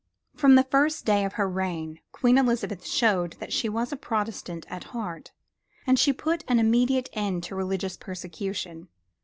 From the first day of her reign Queen Elizabeth showed that she was a Protestant at heart and she put an immediate end to religious persecution.